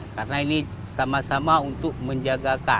karena ini sama sama untuk menjaga